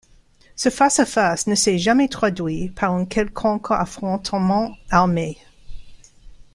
Ce face à face ne s'est jamais traduit par un quelconque affrontement armé.